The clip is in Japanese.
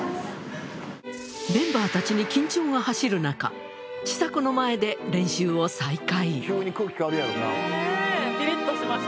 メンバーたちに緊張が走る中ちさ子の前で練習を再開